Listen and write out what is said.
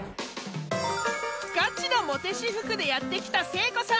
［ガチのモテ私服でやって来た誠子さん］